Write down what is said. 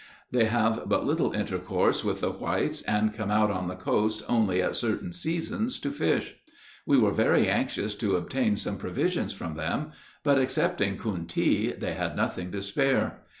They have but little intercourse with the whites, and come out on the coast only at certain seasons to fish. We were very anxious to obtain some provisions from them, but excepting kountee they had nothing to spare.